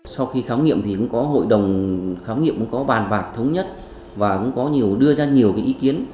sau khi khám nghiệm thì cũng có hội đồng khám nghiệm cũng có bàn bạc thống nhất và cũng có nhiều đưa ra nhiều ý kiến